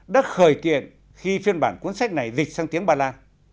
đã khởi kiện khi phiên bản cuốn sách này dịch sang tiếng ba lan